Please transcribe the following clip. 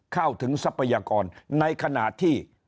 เข้าถึงทรัพยากรในขณะที่